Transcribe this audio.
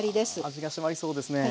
味が締まりそうですね。